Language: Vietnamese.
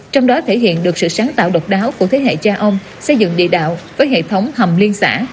trong đó thể hiện được sự sáng tạo độc đáo của thế hệ cha ông xây dựng địa đạo với hệ thống hầm liên xã